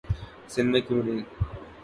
سندھ میں کیوں نہیں؟